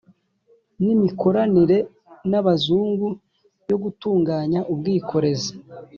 n imikoranire n abazungu yo gutunganya ubwikorezi